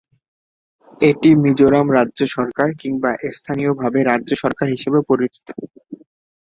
এটি মিজোরাম রাজ্য সরকার কিংবা স্থানীয়ভাবে রাজ্য সরকার হিসাবেও পরিচিত।